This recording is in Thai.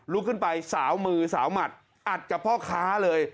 ลุกขึ้นไปสาวมือสาวหมัดอัดกับพ่อค้าเลย